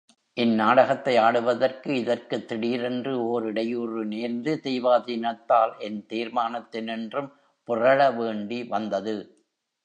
இந்நாடகத்தை ஆடுவதற்கு இதற்குத் திடீரென்று ஓர் இடையூறு நேர்ந்து, தெய்வாதீனத்தால், என் தீர்மானத்தினின்றும் பிறழவேண்டி வந்தது.